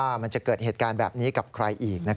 มันจะเกิดเหตุการณ์แบบนี้กับใครอีก